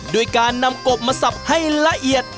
ด้วยการนำกบมาสับให้ละเอียด